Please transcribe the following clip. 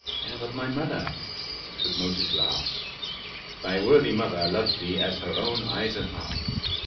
"But my mother?" Tutmosis laughed. "Thy worthy mother loves thee as her own eyes and heart.